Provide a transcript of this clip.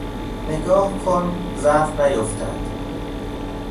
نگاه کن ظرف نیفتد